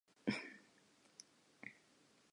Ha a ka a kgolwa ditsebe tsa hae.